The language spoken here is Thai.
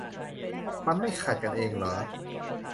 มันไม่ขัดกันเองเหรอ ?